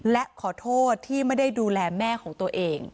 และขอโทษที่ไม่ได้ดูแลแม่ของตัวเอง